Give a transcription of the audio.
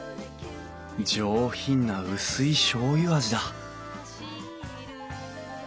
上品な薄いしょうゆ味だ